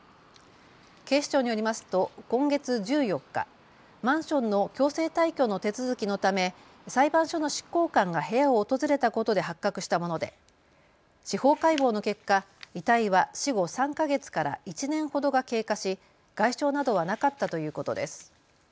警視庁によりますと今月１４日、マンションの強制退去の手続きのため裁判所の執行官が部屋を訪れたことで発覚したもので司法解剖の結果、遺体は死後３か月から１年ほどが経過し外傷などはなかったということです。